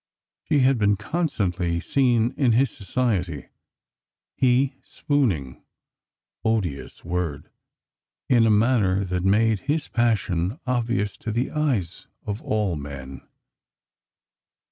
She had been constantly seen in his society. He " spooning "— odious worJ !— in a manner that made his passion obvious to the eyes of all men.